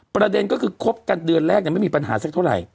ประเด็นก็คือคบกันเดือนแรกไม่มีปัญหาสักเท่าไหร่